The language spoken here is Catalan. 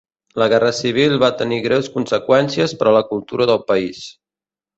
La Guerra Civil va tenir greus conseqüències per a la cultura del país.